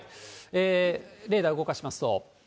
レーダー動かしますと。